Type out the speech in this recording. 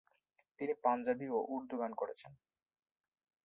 তিনি পাঞ্জাবি ও উর্দু গান করেছেন।